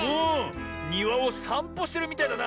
にわをさんぽしてるみたいだな。